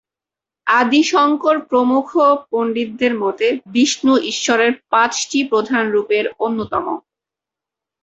আদি শংকর প্রমুখ পণ্ডিতদের মতে, বিষ্ণু ঈশ্বরের পাঁচটি প্রধান রূপের অন্যতম।।